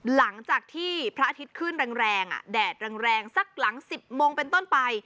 หลังจากที่พระอาทิตย์ขึ้นแรงแดดแรงสักหลัง๑๐โมงเป็นต้นไป